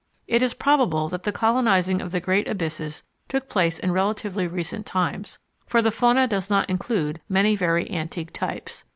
It is probable that the colonising of the great abysses took place in relatively recent times, for the fauna does not include many very antique types.